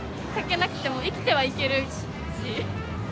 書けなくても生きてはいけるし。